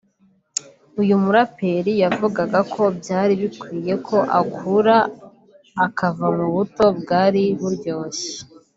uyu muraperi yavugaga ko byari bikwiye ko akura akava mu buto bwari buryoshye